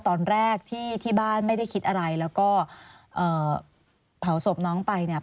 ตอนแรกที่ที่บ้านไม่ได้คิดอะไรแล้วก็เอ่อเผาศพน้องไปเนี่ย